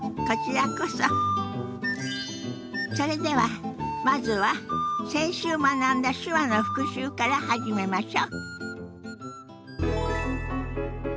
それではまずは先週学んだ手話の復習から始めましょ。